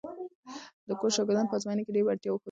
د کورس شاګردانو په ازموینو کې ډېره وړتیا وښودله.